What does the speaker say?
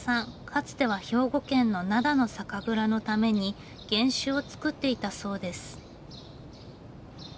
かつては兵庫県の灘の酒蔵のために原酒を造っていたそうです。